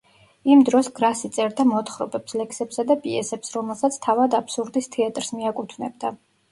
იმ დროს გრასი წერდა მოთხრობებს, ლექსებსა და პიესებს, რომელსაც თავად აბსურდის თეატრს მიაკუთვნებდა.